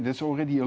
itu sudah lama